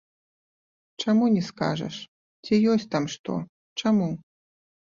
Чаму не скажаш, ці ёсць там што, чаму?